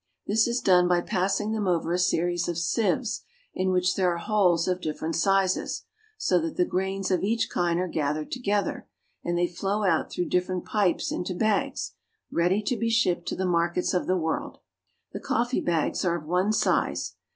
This is done by passing them over a series of sieves in which there are holes of different sizes, so that the grains of each kind are gathered together, and they flow out through different pipes into bags, ready to be shipped to the markets of the world. The coffee bags are of one size.